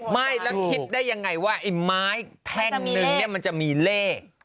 ไม่แล้วคิดได้ยังไงว่าไอ้ไม้แท่งนึงเนี่ยมันจะมีเลข